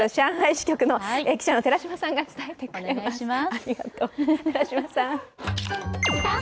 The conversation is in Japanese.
支局の記者の寺島さんが伝えてくれます。